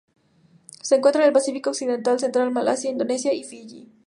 Se encuentra en el Pacífico occidental central: Malasia, Indonesia y Fiyi.